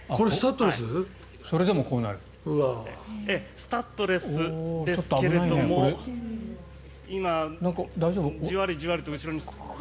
スタッドレスですけども今、じわりじわりと後ろに。